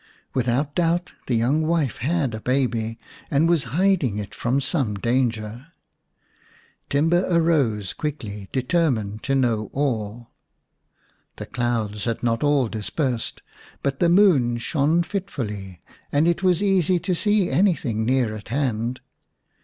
Without doubt the young wife had a baby and was hiding it from some danger. Timba arose quickly, determined to know all. The clouds had not all dispersed, but the moon shone fitfully, and it was easy to see anything near at hand.